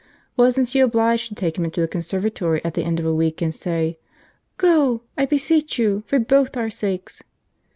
Wasn't she obliged to take him into the conservatory, at the end of a week, and say, 'G go! I beseech you! for b both our sakes!'?